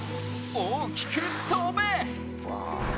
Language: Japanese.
大きく翔べ！